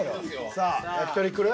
さあ焼き鳥来る。